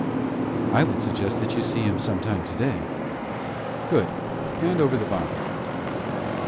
"I would suggest that you see him some time today." "Good! Hand over the bonds."